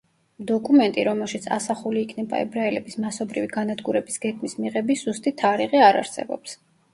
დოკუმენტი, რომელშიც ასახული იქნება ებრაელების მასობრივი განადგურების გეგმის მიღების ზუსტი თარიღი, არ არსებობს.